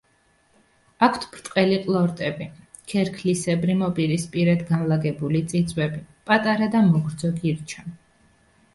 აქვთ ბრტყელი ყლორტები, ქერქლისებრი მოპირისპირედ განლაგებული წიწვები, პატარა და მოგრძო გირჩა.